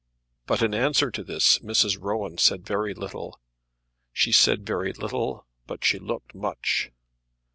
But in answer to this Mrs. Rowan said very little. She said very little, but she looked much.